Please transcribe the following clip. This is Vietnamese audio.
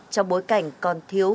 trong bối cảnh còn thiếu